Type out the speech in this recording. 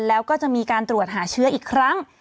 แล้วก็จะมีการตรวจหาเชื้ออีกครั้ง